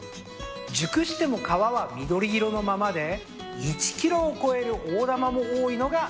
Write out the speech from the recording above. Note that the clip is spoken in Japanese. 熟しても皮は緑色のままで１ｋｇを超える大玉も多いのが特徴です。